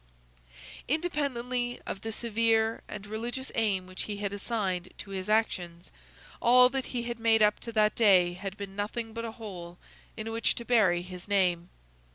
Independently of the severe and religious aim which he had assigned to his actions, all that he had made up to that day had been nothing but a hole in which to bury his name.